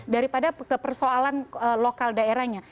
daripada persoalan lokal daerahnya